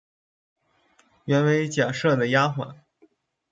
原为贾赦的丫环。